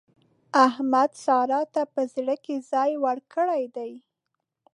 احمد سارا ته په زړه کې ځای ورکړی دی.